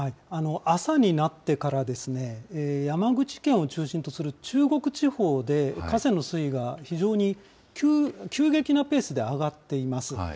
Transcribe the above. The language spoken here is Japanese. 朝になってからですね、山口県を中心とする中国地方で河川の水位が非常に急激なペースで上がっています。